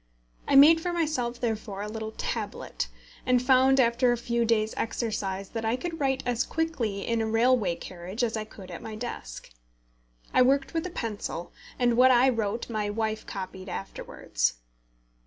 I made for myself therefore a little tablet, and found after a few days' exercise that I could write as quickly in a railway carriage as I could at my desk. I worked with a pencil, and what I wrote my wife copied afterwards.